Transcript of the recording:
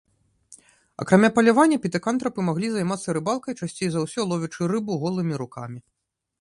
Акрамя палявання, пітэкантрапы маглі займацца рыбалкай, часцей за ўсё, ловячы рыбу голымі рукамі.